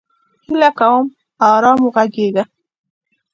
هیله کوم! ارام وغږیږه!